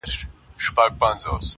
کوم ظالم چي مي غمی را څه پټ کړی،